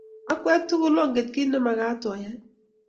Akwe tugul onget kiit nemagat oyei